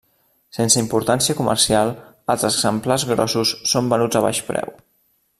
Sense importància comercial, els exemplars grossos són venuts a baix preu.